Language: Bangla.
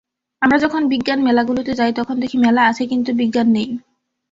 আমরা যখন বিজ্ঞান মেলাগুলোতে যাই তখন দেখি মেলা আছে কিন্তু বিজ্ঞান নেই।